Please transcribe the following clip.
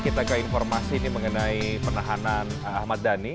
kita ke informasi ini mengenai penahanan ahmad dhani